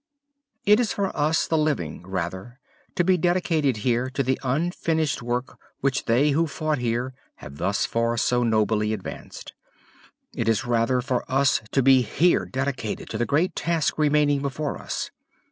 It is for us the living, rather, to be dedicated here to the unfinished work which they who fought here have thus far so nobly advanced. It is rather for us to be here dedicated to the great task remaining before us.